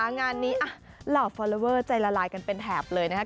งานนี้เหล่าฟอลลอเวอร์ใจละลายกันเป็นแถบเลยนะครับ